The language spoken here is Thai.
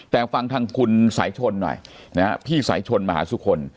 แต่ฟังทางคุณสายชนหน่อยนะฮะพี่สายชนมหาสุคล